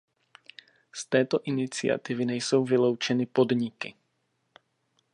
Z této iniciativy nejsou vyloučeny podniky.